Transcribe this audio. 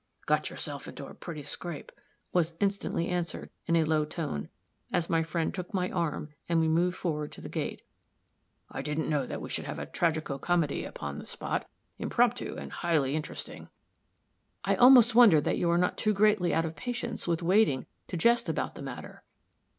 "Got yourself into a pretty scrape," was instantly answered, in a low tone, as my friend took my arm and we moved forward to the gate. "I didn't know but we should have a tragico comedy upon the spot, impromptu and highly interesting." "I almost wonder that you are not too greatly out of patience with waiting to jest about the matter."